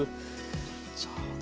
じゃあ私